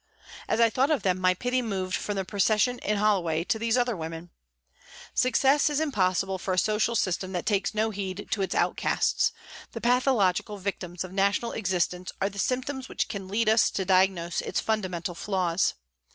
As I thought of them my pity moved from the pro cession in Holloway to these other women. Success is impossible for a social system that takes no heed to its outcasts, the pathological victims of national existence are the symptoms which can lead us to diagnose its fundamental flaws.